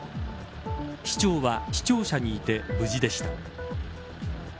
市長は、市庁舎にいて無事でした。